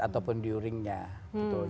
ataupun during nya gitu